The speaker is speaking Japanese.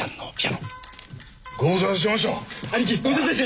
ご無沙汰してます！